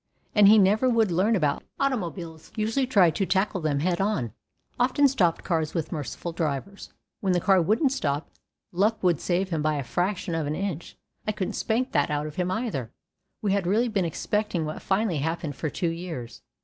And he never would learn about automobiles. Usually tried to tackle them head on, often stopped cars with merciful drivers. When the car wouldn't stop, luck would save him by a fraction of an inch. I couldn't spank that out of him either. We had really been expecting what finally happened for two years.